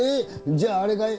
じゃああれかい？